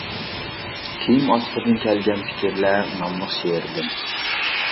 «كىيىم ئاسقۇدىن كەلگەن پىكىرلەر» ناملىق شېئىردىن.